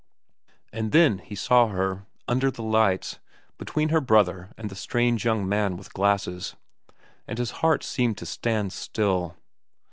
And then he saw Her, under the lights, between her brother and the strange young man with glasses, and his heart seemed to stand still.